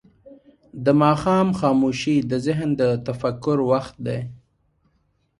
د ماښام خاموشي د ذهن د تفکر وخت دی.